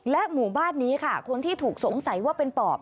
หมู่บ้านนี้ค่ะคนที่ถูกสงสัยว่าเป็นปอบ